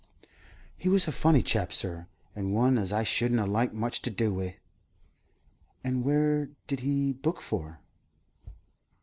He was a funny chap, sir; one as I shudd'n like much to do wi'." "And where did he book for?"